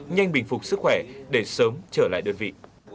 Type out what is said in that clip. nhanh bình phục sức khỏe để sớm trở lại đơn vị